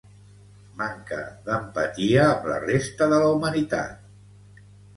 Manca d'empatia amb la resta de la humanitat